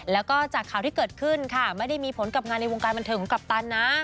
แล้วก็จากข่าวที่เกิดขึ้นค่ะไม่ได้มีผลกับงานในวงการบันเทิงของกัปตันนะ